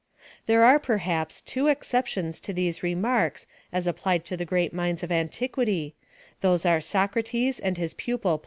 There are, perhaps, two exceptions to these re marks as applied to the great minds of antiquity, those are Socrates and his pupil Plato.